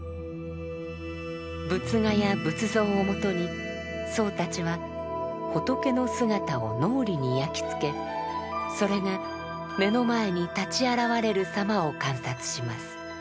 仏画や仏像をもとに僧たちは仏の姿を脳裏に焼き付けそれが目の前に立ち現れるさまを観察します。